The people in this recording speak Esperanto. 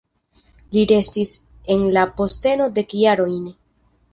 Li restis en la posteno dek jarojn.